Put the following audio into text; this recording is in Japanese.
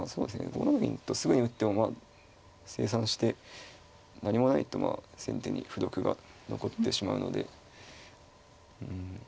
５七銀とすぐに打ってもまあ清算して何もないとまあ先手に歩得が残ってしまうのでうん